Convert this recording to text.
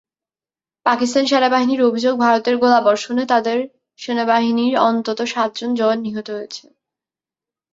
পাকিস্তান সেনাবাহিনীর অভিযোগ, ভারতের গোলাবর্ষণে তাদের সেনাবাহিনীর অন্তত সাতজন জওয়ান নিহত হয়েছেন।